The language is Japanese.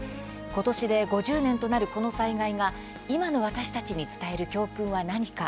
ことしで５０年となるこの災害が今の私たちに伝える教訓は何か。